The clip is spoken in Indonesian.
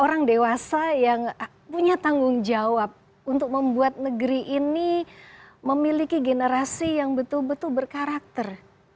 orang dewasa yang punya tanggung jawab untuk membuat negeri ini memiliki generasi yang betul betul berkarakter